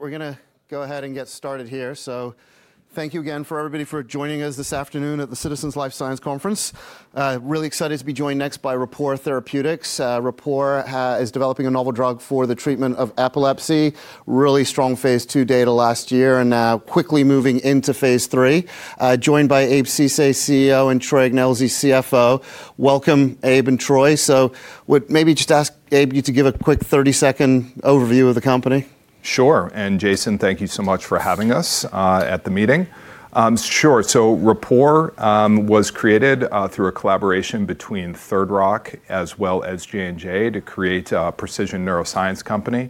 All right. We're gonna go ahead and get started here. Thank you again for everybody for joining us this afternoon at the Citizens Life Sciences Conference. Really excited to be joined next by Rapport Therapeutics. Rapport is developing a novel drug for the treatment of epilepsy, really strong Phase 2 data last year and quickly moving into Phase 3. Joined by Abe Ceesay, CEO, and Troy Ignelzi, CFO. Welcome, Abe and Troy. Would maybe just ask you, Abe to give a quick 30-second overview of the company. Sure. Jason, thank you so much for having us at the meeting. Rapport was created through a collaboration between Third Rock as well as J&J to create a precision neuroscience company.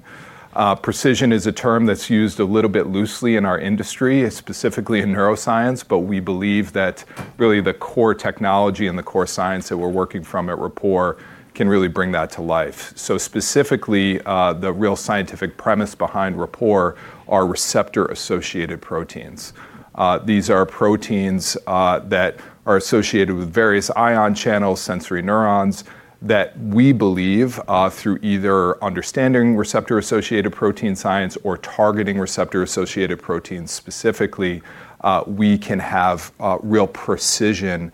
Precision is a term that's used a little bit loosely in our industry, specifically in neuroscience, but we believe that really the core technology and the core science that we're working from at Rapport can really bring that to life. Specifically, the real scientific premise behind Rapport are receptor-associated proteins. These are proteins that are associated with various ion channels, sensory neurons, that we believe through either understanding receptor-associated protein science or targeting receptor-associated proteins specifically, we can have real precision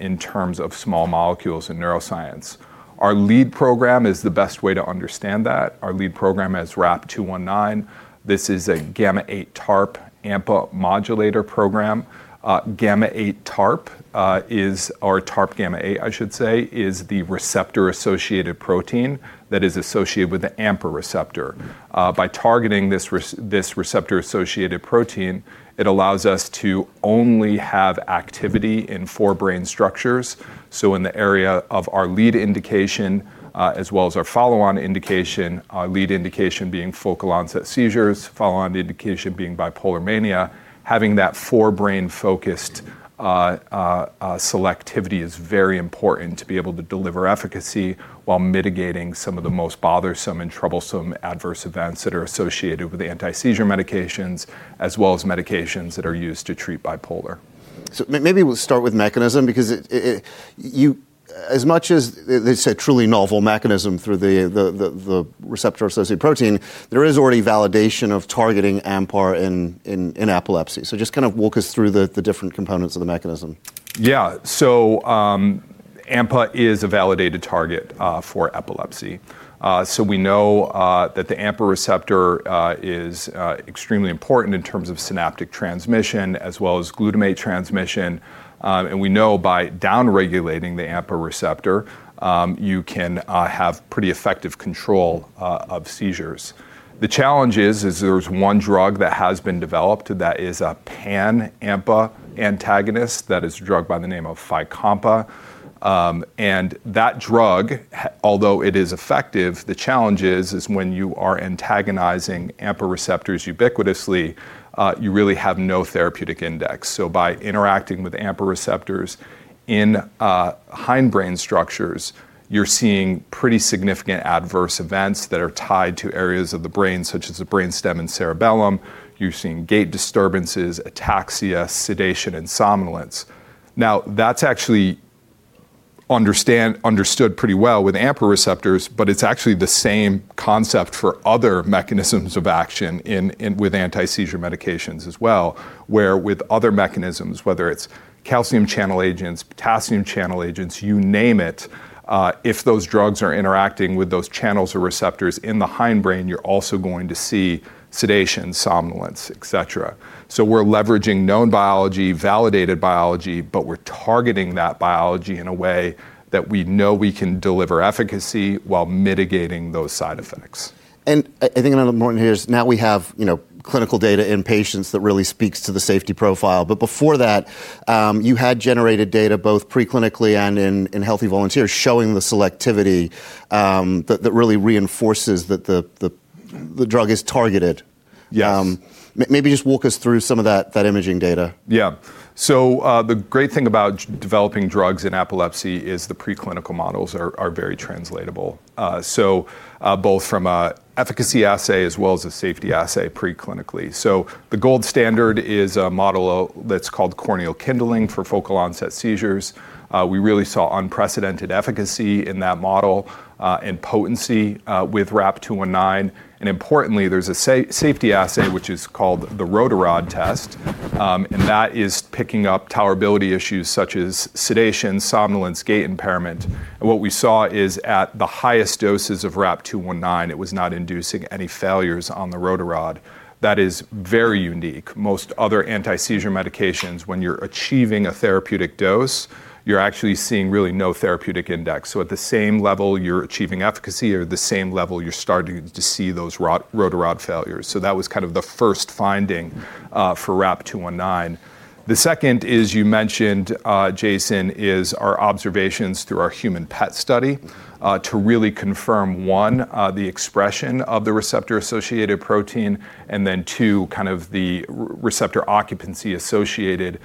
in terms of small molecules in neuroscience. Our lead program is the best way to understand that. Our lead program is RAP-219. This is a TARP gamma-8 AMPA modulator program. TARP gamma-8, or TARP gamma-8 I should say, is the receptor-associated protein that is associated with the AMPA receptor. By targeting this receptor-associated protein, it allows us to only have activity in four brain structures. In the area of our lead indication, as well as our follow-on indication, our lead indication being focal onset seizures, follow-on indication being bipolar mania, having that four-brain focused selectivity is very important to be able to deliver efficacy while mitigating some of the most bothersome and troublesome adverse events that are associated with the anti-seizure medications as well as medications that are used to treat bipolar. Maybe we'll start with mechanism because it as much as it's a truly novel mechanism through the receptor-associated protein, there is already validation of targeting AMPA in epilepsy. Just kind of walk us through the different components of the mechanism. Yeah. AMPA is a validated target for epilepsy. We know that the AMPA receptor is extremely important in terms of synaptic transmission as well as glutamate transmission. We know by downregulating the AMPA receptor, you can have pretty effective control of seizures. The challenge is there's one drug that has been developed that is a pan-AMPA antagonist that is a drug by the name of Fycompa. That drug although it is effective, the challenge is when you are antagonizing AMPA receptors ubiquitously, you really have no therapeutic index. By interacting with AMPA receptors in hindbrain structures, you're seeing pretty significant adverse events that are tied to areas of the brain such as the brain stem and cerebellum. You're seeing gait disturbances, ataxia, sedation, and somnolence. Now, that's actually understood pretty well with AMPA receptors, but it's actually the same concept for other mechanisms of action in with anti-seizure medications as well. Where with other mechanisms, whether it's calcium channel agents, potassium channel agents, you name it, if those drugs are interacting with those channels or receptors in the hindbrain, you're also going to see sedation, somnolence, et cetera. We're leveraging known biology, validated biology, but we're targeting that biology in a way that we know we can deliver efficacy while mitigating those side effects. I think another important here is now we have, you know, clinical data in patients that really speaks to the safety profile. But before that, you had generated data both preclinically and in healthy volunteers showing the selectivity that really reinforces that the drug is targeted. Yes. Maybe just walk us through some of that imaging data. Yeah, the great thing about developing drugs in epilepsy is the preclinical models are very translatable, both from an efficacy assay as well as a safety assay preclinically. The gold standard is a model that's called corneal kindling for focal onset seizures. We really saw unprecedented efficacy in that model, and potency, with RAP-219. Importantly, there's a safety assay which is called the rotarod test, and that is picking up tolerability issues such as sedation, somnolence, gait impairment. What we saw is at the highest doses of RAP-219, it was not inducing any failures on the rotarod. That is very unique. Most other anti-seizure medications, when you're achieving a therapeutic dose, you're actually seeing really no therapeutic index. At the same level you're achieving efficacy or the same level you're starting to see those rotarod failures. That was kind of the first finding for RAP-219. The second is, you mentioned, Jason, is our observations through our human PET study to really confirm, one, the expression of the receptor-associated protein, and then two, kind of the receptor occupancy associated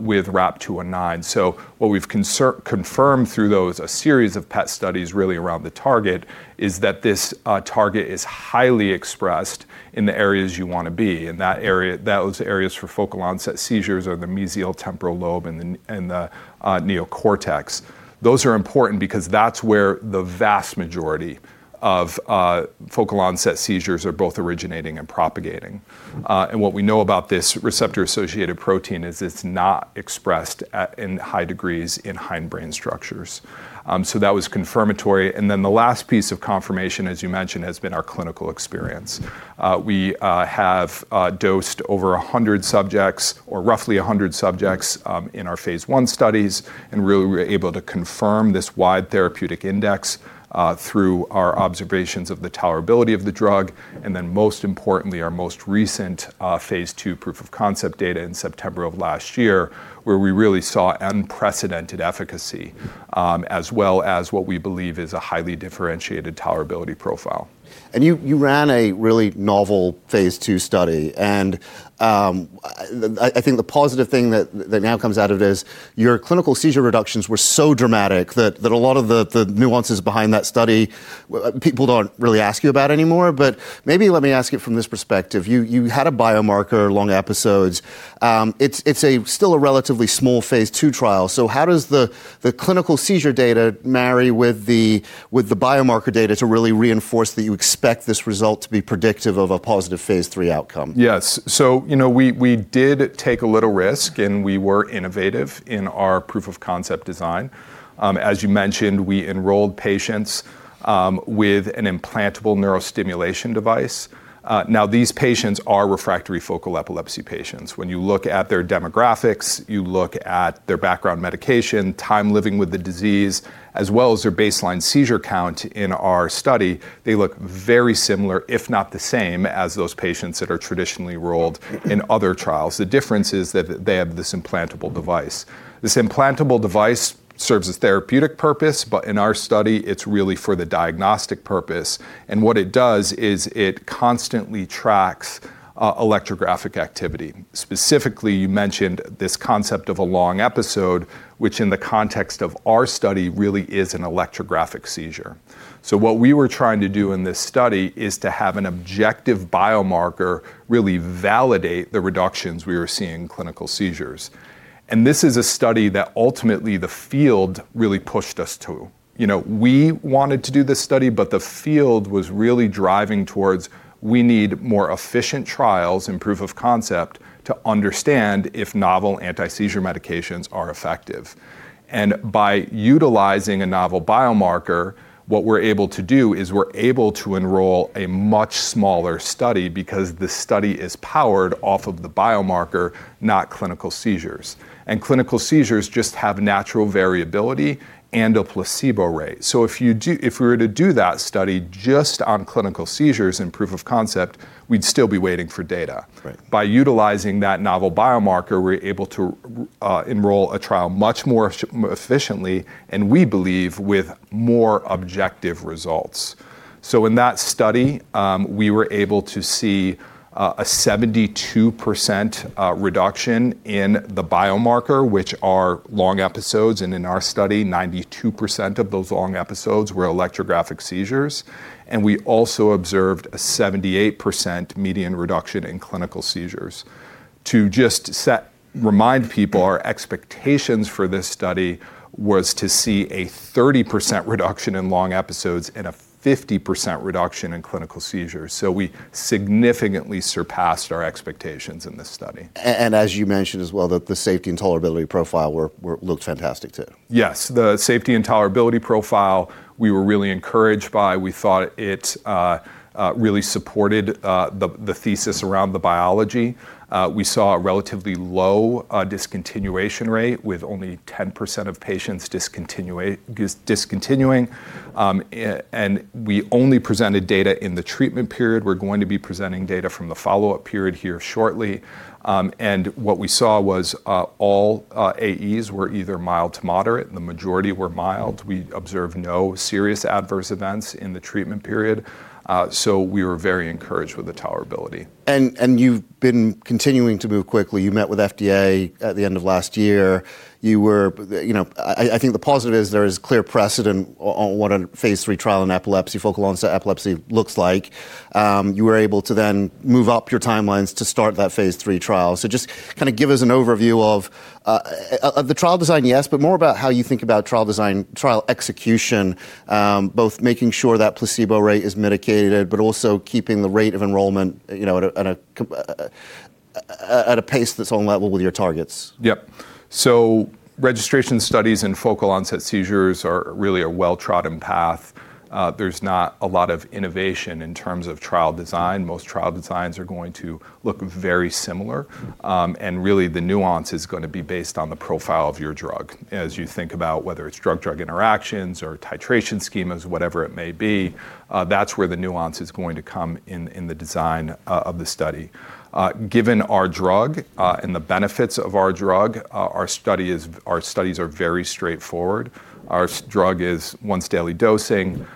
with RAP-219. What we've confirmed through those, a series of PET studies really around the target, is that this target is highly expressed in the areas you wanna be. Those areas for focal onset seizures are the mesial temporal lobe and the neocortex. Those are important because that's where the vast majority of focal onset seizures are both originating and propagating. What we know about this receptor-associated protein is it's not expressed in high degrees in hindbrain structures. That was confirmatory. The last piece of confirmation, as you mentioned, has been our clinical experience. We have dosed over 100 subjects or roughly 100 subjects in our Phase 1 studies and really were able to confirm this wide therapeutic index through our observations of the tolerability of the drug, and then most importantly, our most recent Phase 2 proof of concept data in September of last year, where we really saw unprecedented efficacy as well as what we believe is a highly differentiated tolerability profile. You ran a really novel Phase 2 study. I think the positive thing that now comes out of it is your clinical seizure reductions were so dramatic that a lot of the nuances behind that study, people don't really ask you about anymore. Maybe let me ask it from this perspective. You had a biomarker, long episodes. It's still a relatively small Phase 2 trial. How does the clinical seizure data marry with the biomarker data to really reinforce that you expect this result to be predictive of a positive Phase 3 outcome? Yes. You know, we did take a little risk, and we were innovative in our proof of concept design. As you mentioned, we enrolled patients with an implantable neurostimulation device. Now, these patients are refractory focal epilepsy patients. When you look at their demographics, you look at their background medication, time living with the disease, as well as their baseline seizure count in our study, they look very similar, if not the same, as those patients that are traditionally enrolled in other trials. The difference is that they have this implantable device. This implantable device serves a therapeutic purpose, but in our study, it's really for the diagnostic purpose, and what it does is it constantly tracks electrographic activity. Specifically, you mentioned this concept of a long episode, which in the context of our study really is an electrographic seizure. What we were trying to do in this study is to have an objective biomarker really validate the reductions we were seeing in clinical seizures. This is a study that ultimately the field really pushed us to. You know, we wanted to do this study, but the field was really driving towards we need more efficient trials and proof of concept to understand if novel anti-seizure medications are effective. By utilizing a novel biomarker, what we're able to do is we're able to enroll a much smaller study because the study is powered off of the biomarker, not clinical seizures. Clinical seizures just have natural variability and a placebo rate. If we were to do that study just on clinical seizures and proof of concept, we'd still be waiting for data. Right. By utilizing that novel biomarker, we're able to enroll a trial much more efficiently, and we believe with more objective results. In that study, we were able to see a 72% reduction in the biomarker, which are long episodes, and in our study, 92% of those long episodes were electrographic seizures, and we also observed a 78% median reduction in clinical seizures. To just remind people, our expectations for this study was to see a 30% reduction in long episodes and a 50% reduction in clinical seizures. We significantly surpassed our expectations in this study. As you mentioned as well, the safety and tolerability profile looked fantastic too. Yes. The safety and tolerability profile, we were really encouraged by. We thought it really supported the thesis around the biology. We saw a relatively low discontinuation rate with only 10% of patients discontinuing. We only presented data in the treatment period. We're going to be presenting data from the follow-up period here shortly. What we saw was all AEs were either mild to moderate, and the majority were mild. We observed no serious adverse events in the treatment period, so we were very encouraged with the tolerability. You've been continuing to move quickly. You met with FDA at the end of last year. You were, you know. I think the positive is there is clear precedent on what a Phase 3 trial in epilepsy, focal onset epilepsy looks like. You were able to then move up your timelines to start that Phase 3 trial. Just kind of give us an overview of the trial design, yes, but more about how you think about trial design, trial execution, both making sure that placebo rate is mitigated, but also keeping the rate of enrollment, you know, at a pace that's on level with your targets. Yep. Registration studies in focal onset seizures are really a well-trodden path. There's not a lot of innovation in terms of trial design. Most trial designs are going to look very similar, and really the nuance is going to be based on the profile of your drug. As you think about whether it's drug-drug interactions or titration schemas, whatever it may be, that's where the nuance is going to come in the design of the study. Given our drug and the benefits of our drug, our studies are very straightforward. Our drug is once daily dosing.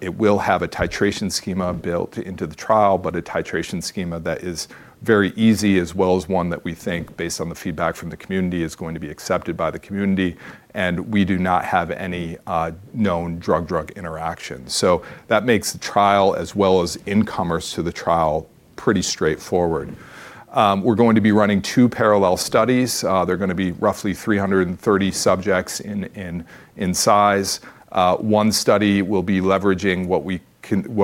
It will have a titration schema built into the trial, but a titration schema that is very easy as well as one that we think based on the feedback from the community is going to be accepted by the community, and we do not have any known drug-drug interactions. So that makes the trial as well as incomers to the trial pretty straightforward. We're going to be running two parallel studies. They're gonna be roughly 330 subjects in size. One study will be leveraging what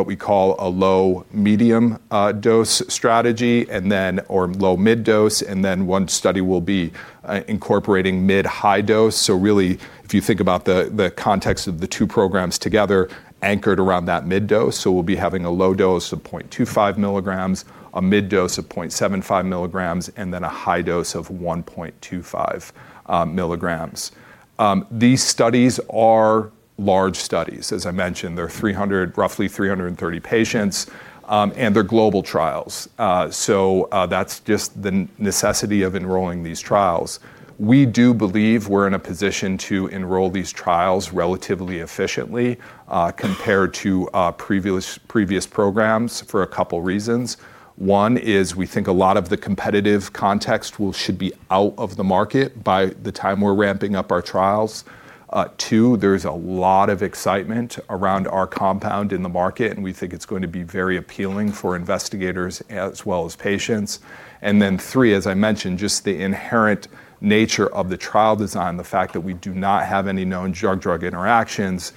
we call a low-medium dose strategy, or low-mid dose, and then one study will be incorporating mid-high dose. Really if you think about the context of the two programs together anchored around that mid dose. We'll be having a low dose of 0.25 milligrams, a mid dose of 0.75 milligrams, and then a high dose of 1.25 milligrams. These studies are large studies, as I mentioned. They're 300, roughly 330 patients, and they're global trials. That's just the necessity of enrolling these trials. We do believe we're in a position to enroll these trials relatively efficiently, compared to previous programs for a couple reasons. One is we think a lot of the competitive context should be out of the market by the time we're ramping up our trials. Two, there's a lot of excitement around our compound in the market, and we think it's going to be very appealing for investigators as well as patients. Then three, as I mentioned, just the inherent nature of the trial design, the fact that we do not have any known drug-drug interactions,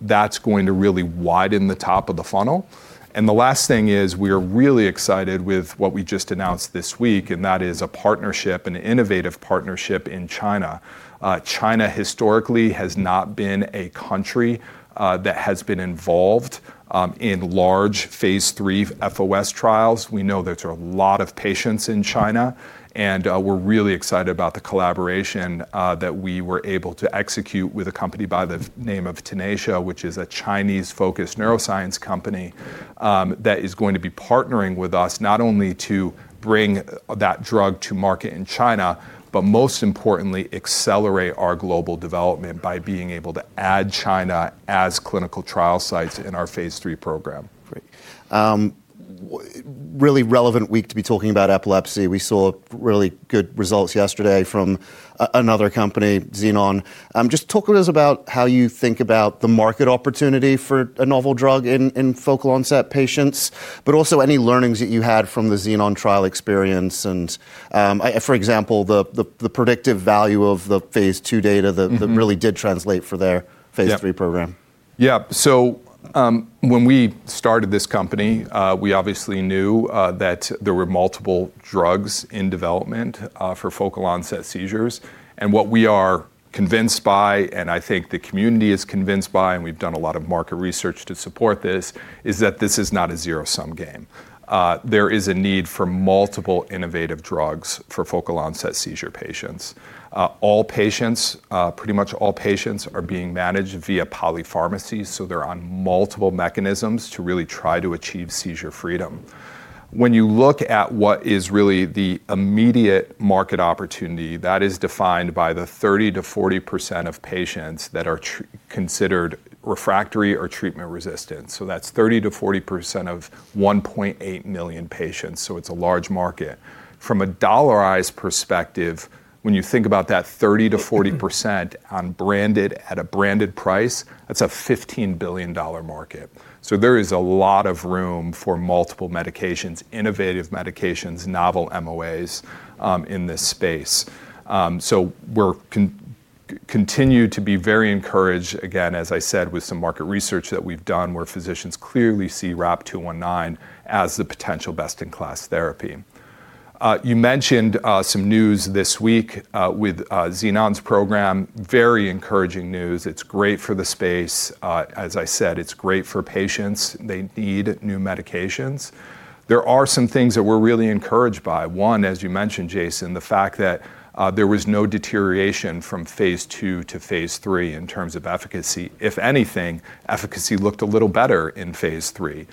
that's going to really widen the top of the funnel. The last thing is we are really excited with what we just announced this week, and that is a partnership and innovative partnership in China. China historically has not been a country that has been involved in large Phase III FOS trials. We know there are a lot of patients in China, and we're really excited about the collaboration that we were able to execute with a company by the name of Tenacia, which is a Chinese-focused neuroscience company, that is going to be partnering with us not only to bring that drug to market in China, but most importantly, accelerate our global development by being able to add China as clinical trial sites in our Phase III program. Great. Really relevant week to be talking about epilepsy. We saw really good results yesterday from another company, Xenon. Just talk to us about how you think about the market opportunity for a novel drug in focal onset patients, but also any learnings that you had from the Xenon trial experience and, for example, the predictive value of the Phase II data. Mm-hmm that really did translate for their Yeah Phase III program. Yeah. When we started this company, we obviously knew that there were multiple drugs in development for focal onset seizures. What we are convinced by, and I think the community is convinced by, and we've done a lot of market research to support this, is that this is not a zero-sum game. There is a need for multiple innovative drugs for focal onset seizure patients. All patients, pretty much all patients are being managed via polypharmacy, so they're on multiple mechanisms to really try to achieve seizure freedom. When you look at what is really the immediate market opportunity, that is defined by the 30%-40% of patients that are considered refractory or treatment-resistant. That's 30%-40% of 1.8 million patients, so it's a large market. From a dollarized perspective, when you think about that 30%-40% on branded, at a branded price, that's a $15 billion market. There is a lot of room for multiple medications, innovative medications, novel MOAs, in this space. We're continue to be very encouraged, again, as I said, with some market research that we've done where physicians clearly see RAP-219 as the potential best-in-class therapy. You mentioned some news this week, with Xenon's program. Very encouraging news. It's great for the space. As I said, it's great for patients. They need new medications. There are some things that we're really encouraged by. One, as you mentioned, Jason, the fact that there was no deterioration from Phase II to Phase III in terms of efficacy. If anything, efficacy looked a little better in Phase III,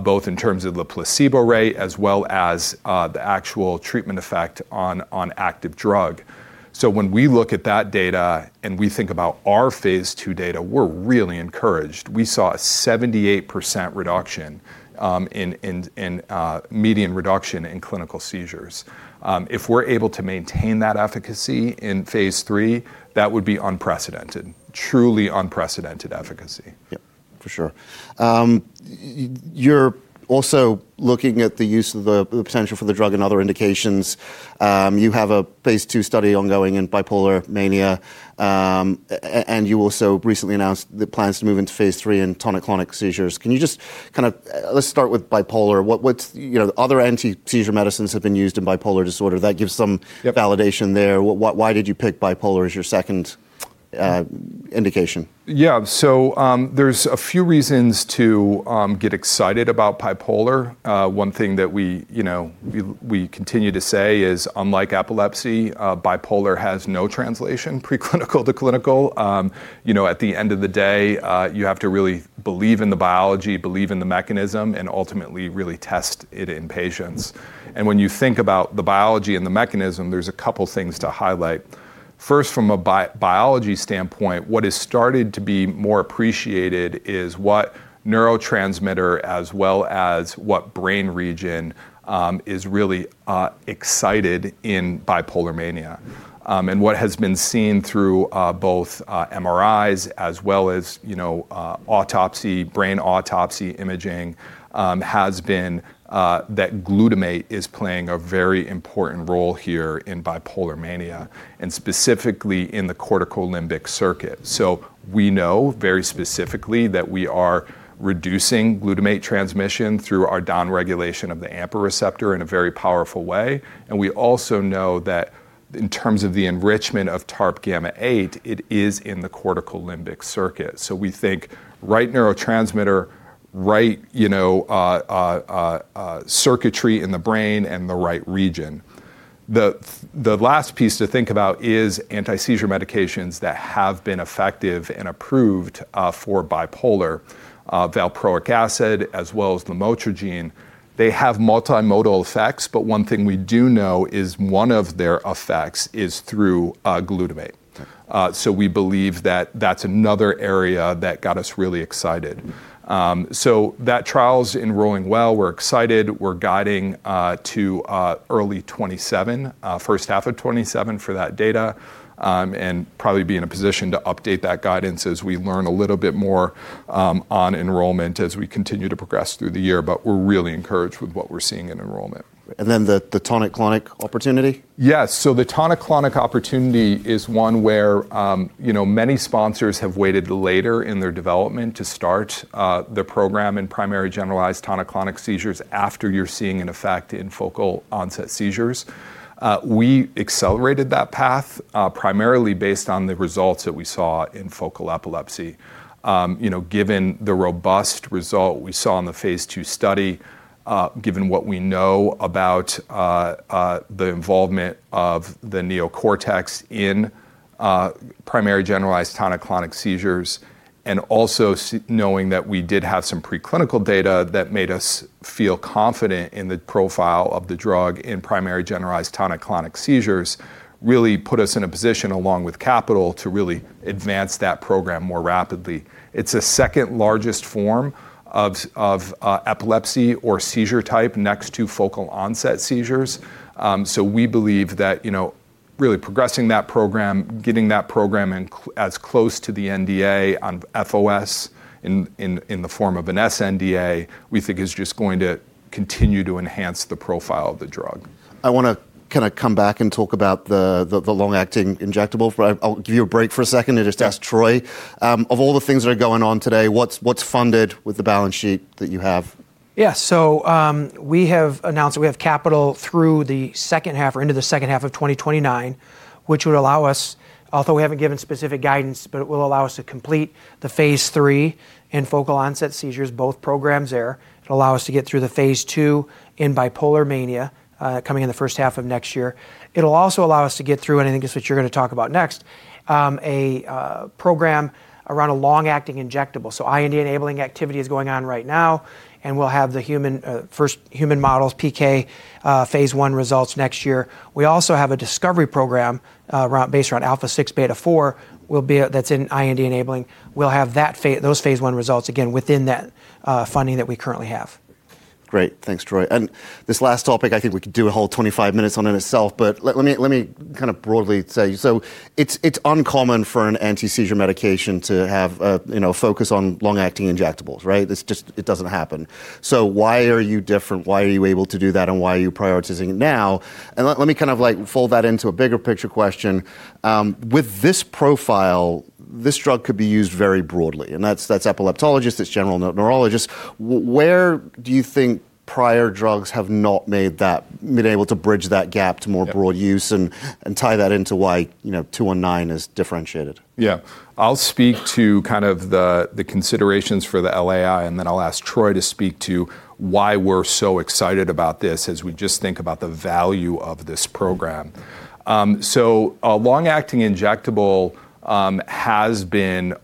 both in terms of the placebo rate as well as the actual treatment effect on active drug. When we look at that data and we think about our Phase II data, we're really encouraged. We saw a 78% reduction in median reduction in clinical seizures. If we're able to maintain that efficacy in Phase III, that would be unprecedented, truly unprecedented efficacy. Yep, for sure. You're also looking at the use of the potential for the drug and other indications. You have a Phase II study ongoing in bipolar mania, and you also recently announced the plans to move into Phase III in tonic-clonic seizures. Can you just kind of. Let's start with bipolar. What you know other anti-seizure medicines have been used in bipolar disorder. That gives some. Yep Validation there. Why did you pick bipolar as your second indication? Yeah. There's a few reasons to get excited about bipolar. One thing that we, you know, continue to say is, unlike epilepsy, bipolar has no translation preclinical to clinical. You know, at the end of the day, you have to really believe in the biology, believe in the mechanism, and ultimately really test it in patients. When you think about the biology and the mechanism, there's a couple things to highlight. First, from a biology standpoint, what has started to be more appreciated is what neurotransmitter as well as what brain region is really excited in bipolar mania. What has been seen through both MRIs as well as, you know, brain autopsy imaging, has been that glutamate is playing a very important role here in bipolar mania, and specifically in the corticolimbic circuit. We know very specifically that we are reducing glutamate transmission through our downregulation of the AMPA receptor in a very powerful way, and we also know that in terms of the enrichment of TARP gamma-8, it is in the corticolimbic circuit. We think right neurotransmitter, right, you know, circuitry in the brain and the right region. The last piece to think about is anti-seizure medications that have been effective and approved for bipolar, valproic acid as well as lamotrigine. They have multimodal effects, but one thing we do know is one of their effects is through glutamate. We believe that that's another area that got us really excited. That trial's enrolling well. We're excited. We're guiding to early 2027, first half of 2027 for that data, and probably be in a position to update that guidance as we learn a little bit more on enrollment as we continue to progress through the year, but we're really encouraged with what we're seeing in enrollment. The tonic-clonic opportunity? Yes. The tonic-clonic opportunity is one where, you know, many sponsors have waited later in their development to start their program in primary generalized tonic-clonic seizures after you're seeing an effect in focal onset seizures. We accelerated that path, primarily based on the results that we saw in focal epilepsy. You know, given the robust result we saw in the Phase 2 study, given what we know about the involvement of the neocortex in primary generalized tonic-clonic seizures and also knowing that we did have some preclinical data that made us feel confident in the profile of the drug in primary generalized tonic-clonic seizures really put us in a position along with capital to really advance that program more rapidly. It's the second-largest form of epilepsy or seizure type next to focal onset seizures, so we believe that, you know, really progressing that program, getting that program as close to the NDA on FOS in the form of an sNDA, we think is just going to continue to enhance the profile of the drug. I wanna kinda come back and talk about the long-acting injectable, but I'll give you a break for a second and just ask Troy. Of all the things that are going on today, what's funded with the balance sheet that you have? Yeah. We have announced that we have capital through the second half or into the second half of 2029, which would allow us, although we haven't given specific guidance, but it will allow us to complete the Phase 3 in focal onset seizures, both programs there. It will allow us to get through the Phase 2 in bipolar mania, coming in the first half of next year. It will also allow us to get through, and I think it's what you're gonna talk about next, a program around a long-acting injectable. IND-enabling activity is going on right now, and we'll have the first human models PK, Phase 1 results next year. We also have a discovery program based around alpha-6 beta-4. That's in IND-enabling. We'll have those Phase 1 results again within that funding that we currently have. Great. Thanks, Troy. This last topic, I think we could do a whole 25 minutes on in itself, but let me kind of broadly say. It's uncommon for an anti-seizure medication to have a, you know, focus on long-acting injectables, right? It's just. It doesn't happen. Why are you different? Why are you able to do that, and why are you prioritizing it now? Let me kind of like fold that into a bigger picture question. With this profile, this drug could be used very broadly, and that's epileptologists, it's general neurologists. Where do you think prior drugs have not been able to bridge that gap to more broad use? Yeah Tie that into why, you know, 219 is differentiated? Yeah. I'll speak to kind of the considerations for the LAI, and then I'll ask Troy to speak to why we're so excited about this as we just think about the value of this program. A long-acting injectable. There's been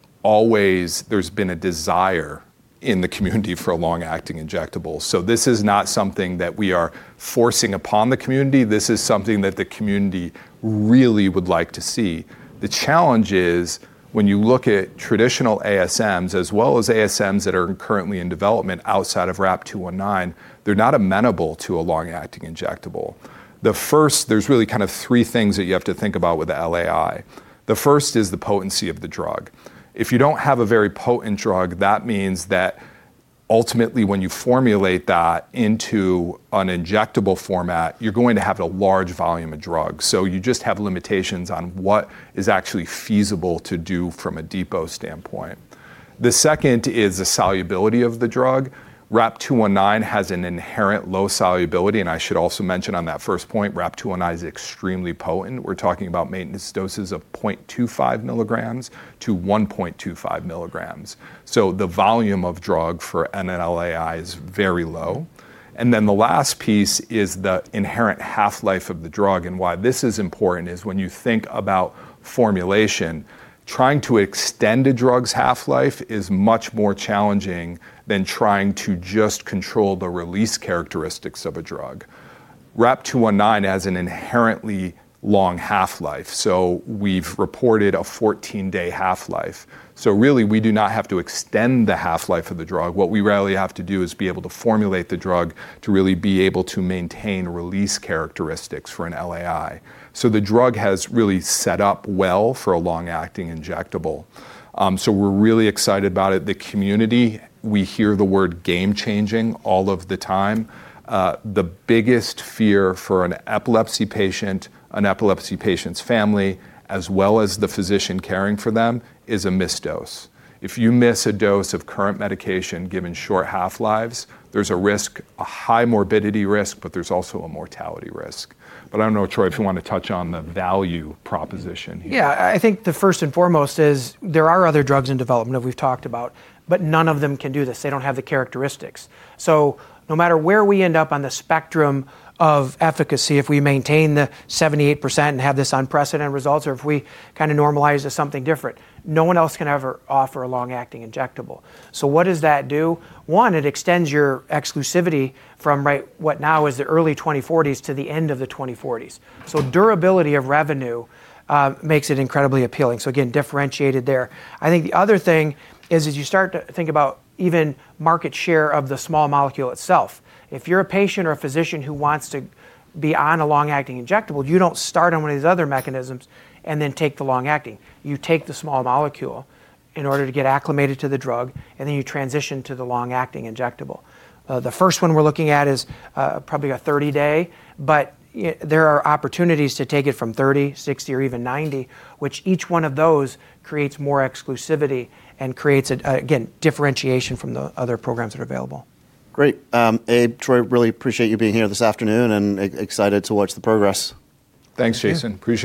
a desire in the community for a long-acting injectable, so this is not something that we are forcing upon the community. This is something that the community really would like to see. The challenge is when you look at traditional ASMs, as well as ASMs that are currently in development outside of RAP-219, they're not amenable to a long-acting injectable. There's really kind of three things that you have to think about with the LAI. The first is the potency of the drug. If you don't have a very potent drug, that means that ultimately when you formulate that into an injectable format, you're going to have a large volume of drug. You just have limitations on what is actually feasible to do from a depot standpoint. The second is the solubility of the drug. RAP-219 has an inherent low solubility, and I should also mention on that first point, RAP-219 is extremely potent. We're talking about maintenance doses of 0.25-1.25 milligrams. The volume of drug for an LAI is very low. The last piece is the inherent half-life of the drug, and why this is important is when you think about formulation, trying to extend a drug's half-life is much more challenging than trying to just control the release characteristics of a drug. RAP-219 has an inherently long half-life, so we've reported a 14-day half-life. Really, we do not have to extend the half-life of the drug. What we really have to do is be able to formulate the drug to really be able to maintain release characteristics for an LAI. The drug has really set up well for a long-acting injectable. We're really excited about it. The community, we hear the word game-changing all of the time. The biggest fear for an epilepsy patient, an epilepsy patient's family, as well as the physician caring for them, is a missed dose. If you miss a dose of current medication given short half-lives, there's a risk, a high morbidity risk, but there's also a mortality risk. I don't know, Troy, if you wanna touch on the value proposition here. Yeah. I think the first and foremost is there are other drugs in development that we've talked about, but none of them can do this. They don't have the characteristics. No matter where we end up on the spectrum of efficacy, if we maintain the 78% and have this unprecedented results, or if we kinda normalize to something different, no one else can ever offer a long-acting injectable. What does that do? One, it extends your exclusivity from right what now is the early 2040s to the end of the 2040s. Durability of revenue makes it incredibly appealing. Again, differentiated there. I think the other thing is as you start to think about even market share of the small molecule itself, if you're a patient or a physician who wants to be on a long-acting injectable, you don't start on one of these other mechanisms and then take the long-acting. You take the small molecule in order to get acclimated to the drug, and then you transition to the long-acting injectable. The first one we're looking at is probably a 30-day, but there are opportunities to take it from 30, 60, or even 90, which each one of those creates more exclusivity and creates a again, differentiation from the other programs that are available. Great. Abe, Troy, really appreciate you being here this afternoon, and excited to watch the progress. Thanks, Jason. Appreciate it.